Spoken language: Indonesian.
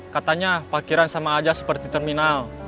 katanya parkiran sama aja seperti terminal